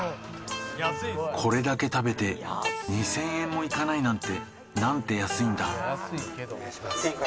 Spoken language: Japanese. これだけ食べて２０００円もいかないなんてなんて安いんだ